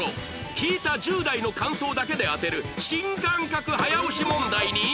聴いた１０代の感想だけで当てる新感覚早押し問題に